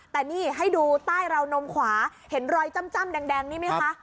แต่นี่ให้ดูใต้ราวนมขวาเห็นรอยจ้ำแดงนี่ไหมคะ